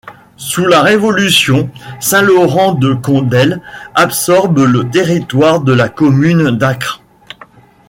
Sous la Révolution, Saint-Laurent-de-Condel absorbe le territoire de la commune d'Acre.